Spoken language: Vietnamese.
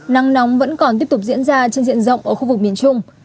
nắng nóng vẫn còn tiếp tục diễn ra trên diện rộng ở khu vực miền trung